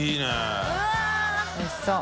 おいしそう。